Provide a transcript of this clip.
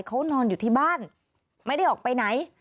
เขานอนอยู่ที่บ้านไม่ได้ออกไปไหน